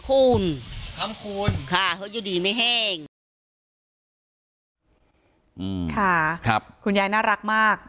คุณญัยน่ารักมาก